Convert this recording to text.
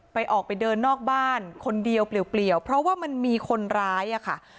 ออกไปออกไปเดินนอกบ้านคนเดียวเปลี่ยวเพราะว่ามันมีคนร้ายอะค่ะ